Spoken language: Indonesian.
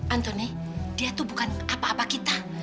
antoni dia tuh bukan apa apa kita